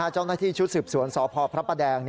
เจ้าหน้าที่ชุดสืบสวนสพพระประแดง